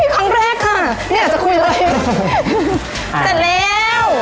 ครั้งแรกค่ะนี่อาจจะคุยเลยจัดแล้ว